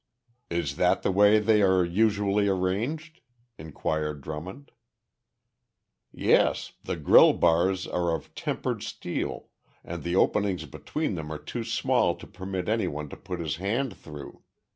"Is that the way they are usually arranged?" inquired Drummond. "Yes the grille bars are of tempered steel and the openings between them are too small to permit anyone to put his hand through.